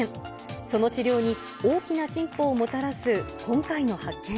その治療に大きな進歩をもたらす今回の発見。